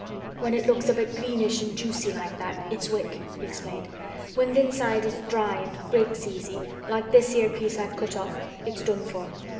"When it looks a bit greenish an' juicy like that, it's wick," he explained. "When th' inside is dry an' breaks easy, like this here piece I've cut off, it's done for.